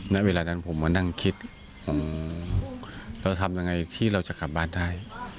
ณเวลานั้นผมมานั่งคิดเราทำยังไงที่เราจะกลับบ้านได้